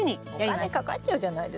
お金かかっちゃうじゃないですか。